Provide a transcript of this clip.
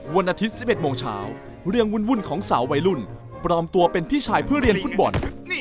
วันอาทิตย์๑๑โมงเช้าเรื่องวุ่นของสาววัยรุ่นปลอมตัวเป็นพี่ชายเพื่อเรียนฟุตบอล